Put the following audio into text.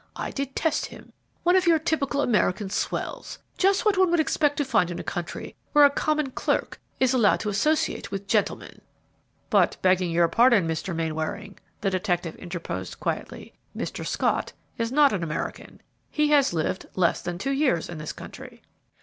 I detest him. One of your typical American swells! Just what one would expect to find in a country where a common clerk is allowed to associate with gentlemen!" "But, begging your pardon, Mr. Mainwaring," the detective interposed, quietly, "Mr. Scott is not an American. He has lived less than two years in this country."